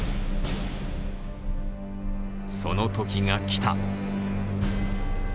その時が来た。